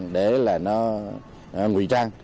để là nó nguy trang